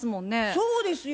そうですよ。